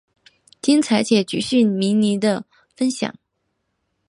精彩且钜细靡遗的分享